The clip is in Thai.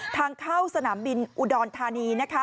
ทางเข้าสนามบินอุดอนธานี